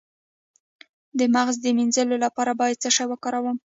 د مغز د مینځلو لپاره باید څه شی وکاروم؟